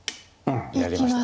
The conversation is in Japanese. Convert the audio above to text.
やりました。